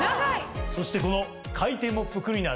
そしてこの回転モップクリーナーはですね